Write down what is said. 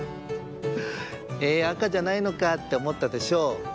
「え赤じゃないのか」っておもったでしょう？